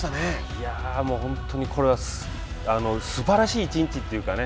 いやあ、もう本当にこれはすばらしい１日というかね